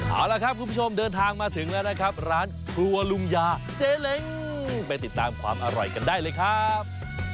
เอาละครับคุณผู้ชมเดินทางมาถึงแล้วนะครับร้านครัวลุงยาเจ๊เล้งไปติดตามความอร่อยกันได้เลยครับ